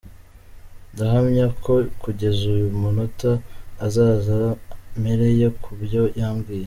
Ndahamya ko kugeza uyu munota azaza mpereye ku byo yambwiye.